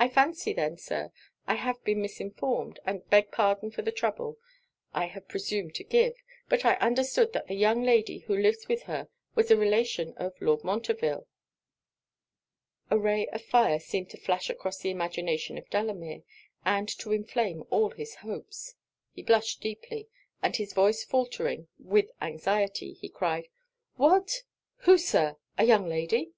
'I fancy then, Sir, I have been misinformed, and beg pardon for the trouble I have presumed to give: but I understood that the young lady who lives with her was a relation of Lord Montreville.' A ray of fire seemed to flash across the imagination of Delamere, and to inflame all his hopes. He blushed deeply, and his voice faultering with anxiety, he cried 'What? who, Sir? a young lady?